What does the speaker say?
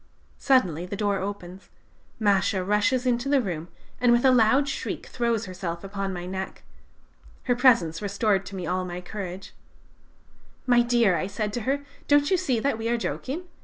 Suddenly the door opens, Masha rushes into the room, and with a loud shriek throws herself upon my neck. Her presence restored to me all my courage. "'My dear,' said I to her, 'don't you see that we are joking?